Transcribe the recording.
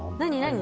何？